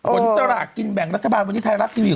สลากกินแบ่งรัฐบาลวันนี้ไทยรัฐทีวี